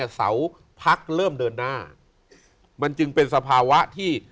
ทุนดาสิงหาเนี่ยเสาพักเริ่มเดินหน้ามันจึงเป็นสภาวะที่